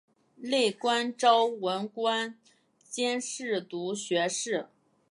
累官昭文馆兼侍读学士。